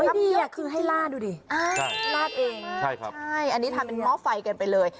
อ๋อดีอ่ะคือให้ล่าดูดิล่าดได้มากใช่ครับอันนี้ทำเป็นหม้อไฟกันไปเลย